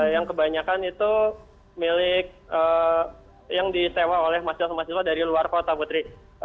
yang kebanyakan itu milik yang disewa oleh mahasiswa mahasiswa dari luar kota putri